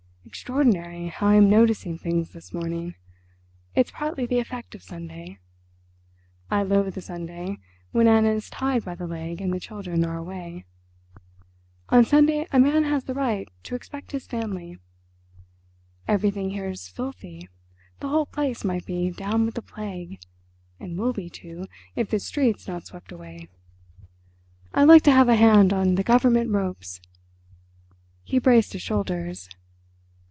"Extraordinary how I am noticing things this morning. It's partly the effect of Sunday. I loathe a Sunday when Anna's tied by the leg and the children are away. On Sunday a man has the right to expect his family. Everything here's filthy, the whole place might be down with the plague, and will be, too, if this street's not swept away. I'd like to have a hand on the government ropes." He braced his shoulders.